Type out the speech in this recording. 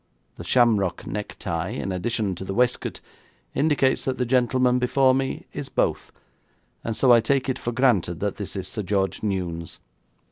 The shamrock necktie, in addition to the waistcoat, indicates that the gentleman before me is both, and so I take it for granted that this is Sir George Newnes.